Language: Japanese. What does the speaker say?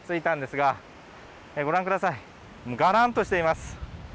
がらんとしています。